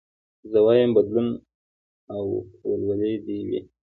زه وايم بدلون او ولولې دي وي